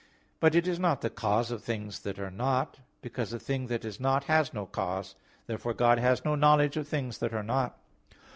But it is not the cause of things that are not, because a thing that is not, has no cause. Therefore God has no knowledge of things that are not.